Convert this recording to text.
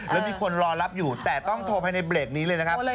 แล้วมีคนรอรับอยู่แต่ต้องโทรภายในเบรกนี้เลยนะครับ